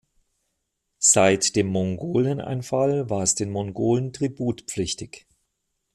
Seit dem Mongoleneinfall war es den Mongolen tributpflichtig.